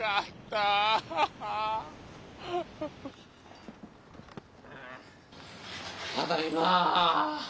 ただいま。